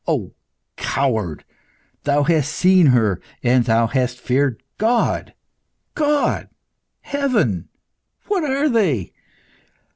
Oh, coward! thou hast seen her, and thou hast feared God! God! heaven! what are they?